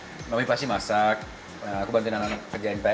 jadi mami pasti masak aku bantuin anak anak kerja mpr